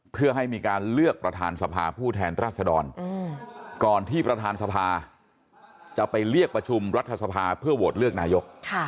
เพื่อให้มีการเลือกประธานสภาผู้แทนรัศดรก่อนที่ประธานสภาจะไปเรียกประชุมรัฐสภาเพื่อโหวตเลือกนายก